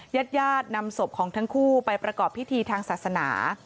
ญาติญาตินำศพของทั้งคู่ไปประกอบพิธีทางศาสนา